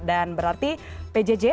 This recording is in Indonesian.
dan berarti pjj atau pjj